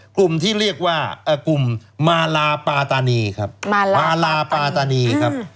กลุ่มที่เรียกว่ากลุ่มมาลาปาตานีครับ